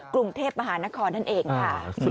กรุงเทพมหานครนั่นเองค่ะ